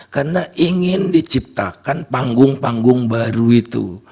karena ingin diciptakan panggung panggung baru itu